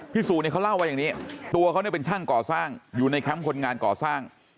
พี่สุนี่เขาเล่าว่าอย่างนี้ตัวเขาเป็นช่างก่อสร้างอยู่ในครั้งคนงานก่อสร้าง